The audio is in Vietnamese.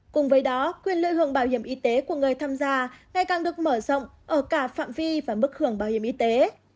cùng với đó quyền lợi hưởng bảo hiểm y tế của người tham gia ngày càng được mở rộng ở cả phạm vi và mức hưởng bảo hiểm y tế